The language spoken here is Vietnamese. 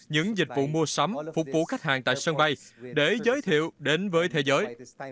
những dịch vụ mua sắm phục vụ khách hàng tại sân bay để giới thiệu đến với thế giới